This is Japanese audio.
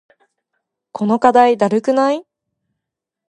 この課題だるくない？